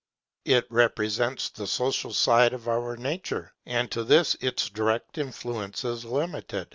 It represents the social side of our nature, and to this its direct influence is limited.